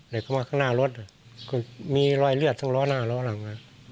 เข้ามาข้างหน้ารถก็มีรอยเลือดทั้งล้อหน้าล้อหลัง